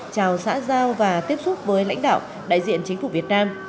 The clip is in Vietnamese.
chào xã giao và tiếp xúc với lãnh đạo đại diện chính phủ việt nam